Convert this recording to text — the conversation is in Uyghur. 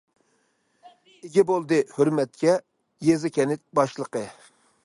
ئىگە بولدى ھۆرمەتكە، يېزا- كەنت باشلىقى.